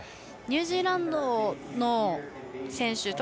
ニュージーランドの選手